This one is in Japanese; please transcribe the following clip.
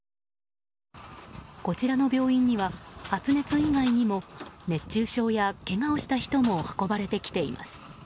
こちらの病院には、発熱以外にも熱中症やけがをした人も運ばれてきています。